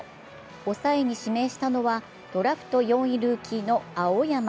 抑えに指名したのは、ドラフト４位ルーキーの青山。